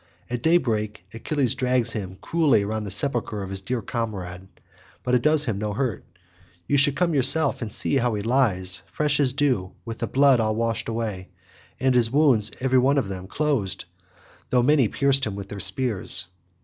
At daybreak Achilles drags him cruelly round the sepulchre of his dear comrade, but it does him no hurt. You should come yourself and see how he lies fresh as dew, with the blood all washed away, and his wounds every one of them closed though many pierced him with their spears.